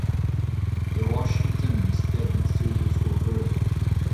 E Washington em eus graet ma studioù skol-veur.